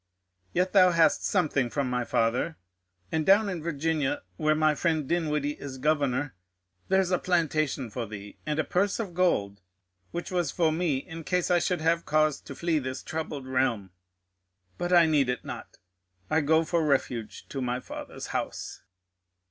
Yet thou hast something from thy father, and down in Virginia, where my friend Dinwiddie is Governor, there's a plantation for thee, and a purse of gold, which was for me in case I should have cause to flee this troubled realm. But I need it not; I go for refuge to my Father's house.